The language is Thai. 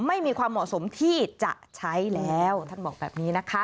ไม่มีความเหมาะสมที่จะใช้แล้วท่านบอกแบบนี้นะคะ